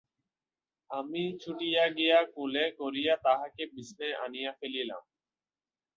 আমি ছুটিয়া গিয়া কোলে করিয়া তাহাকে বিছানায় আনিয়া ফেলিলাম।